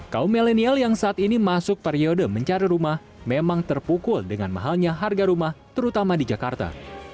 kaum milenial yang saat ini masuk periode mencari rumah memang terpukul dengan mahalnya harga rumah terutama di jakarta